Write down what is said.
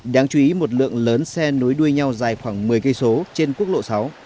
đáng chú ý một lượng lớn xe nối đuôi nhau dài khoảng một mươi km trên quốc lộ sáu